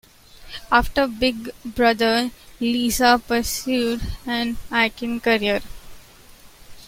After "Big Brother", Lisa pursued an acting career.